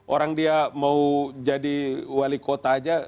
orang dia mau jadi wali kota aja